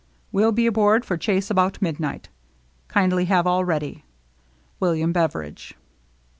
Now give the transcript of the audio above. Will be aboard for chase about mid night. Kindly have all ready. "Wm. Beveridge.